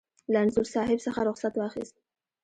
له انځور صاحب څخه رخصت واخیست.